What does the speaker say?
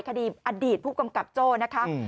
อดีตผู้กำกับโจ้นะคะ